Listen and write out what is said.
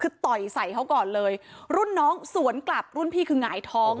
คือต่อยใส่เขาก่อนเลยรุ่นน้องสวนกลับรุ่นพี่คือหงายท้อง